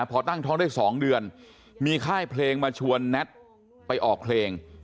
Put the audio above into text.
พอตั้งท้องได้๒เดือนมีค่ายเพลงมาชวนแน็ตไปออกเพลง